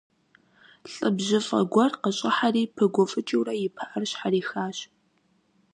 ЛӀы бжьыфӀэ гуэр къыщӀыхьэри, пыгуфӀыкӀыурэ и пыӀэр щхьэрихащ.